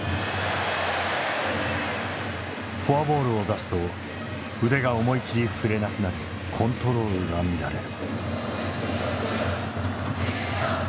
フォアボールを出すと腕が思い切り振れなくなりコントロールが乱れる。